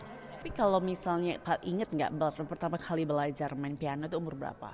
tapi kalau misalnya pak inget gak pertama kali belajar main piano itu umur berapa